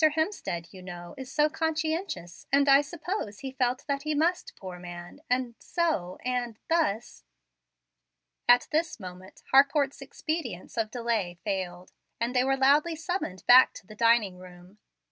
Hemstead, you know, is so conscientious, and I suppose he felt that he must, poor man; and so and thus" At this moment Harcourt's expedients of delay failed, and they were loudly summoned back to the dining room.